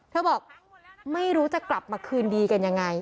บอกไม่รู้จะกลับมาคืนดีกันยังไง